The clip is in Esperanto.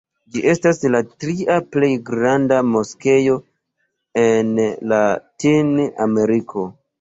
Ĝi estas la tria plej granda moskeo en Latin-Ameriko.